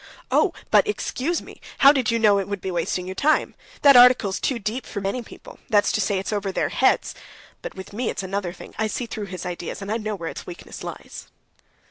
"Oh, but excuse me, how did you know it would be wasting your time? That article's too deep for many people—that's to say it's over their heads. But with me, it's another thing; I see through his ideas, and I know where its weakness lies."